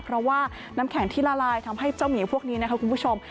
เพราะว่าน้ำแข็งที่ละลายทำให้เจ้าหมีพวกนี้นะคะคุณผู้ชม